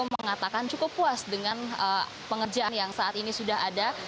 mengatakan cukup puas dengan pengerjaan yang saat ini sudah ada